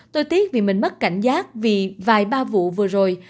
tôi tiếc vì mình mất cảnh giác vì vài ba vụ vừa rồi